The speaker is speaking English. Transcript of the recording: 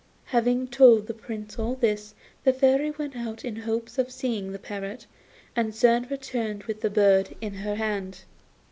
Having told the Prince all this, the Fairy went out in hopes of seeing the parrot, and soon returned with the bird in her hand.